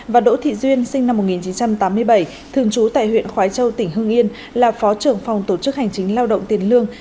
và đỗ thị duyên sinh năm một nghìn chín trăm tám mươi bảy thường trú tại huyện khói châu tỉnh hương yên là phó trưởng phòng tổ chức hành chính lao động tiền lương